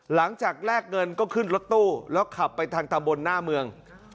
หลังจากแลกเงินก็ขึ้นรถตู้แล้วขับไปทางตำบลหน้าเมือง